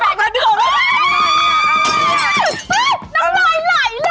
เฮ่ยน้ำไหลไหลเลยน่ะ